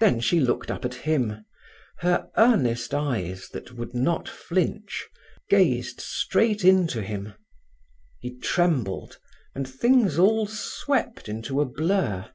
Then she looked up at him; her earnest eyes, that would not flinch, gazed straight into him. He trembled, and things all swept into a blur.